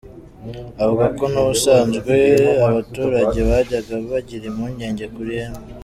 Avuga ko n’ubusanzwe abaturage bajyaga bagira impungenge kuri M.